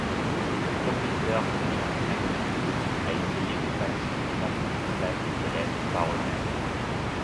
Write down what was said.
Le professeur limite son activité à essayer de faciliter l’apprentissage des élèves par eux-mêmes.